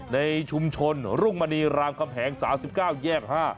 ในชุมชนรุ่งมณีรามคำแหง๓๙แยก๕